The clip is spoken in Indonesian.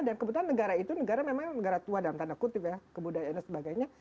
dan kebetulan negara itu negara memang negara tua dalam tanda kutip ya kebudayaan dan sebagainya